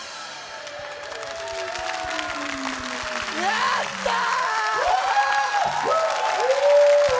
やったー！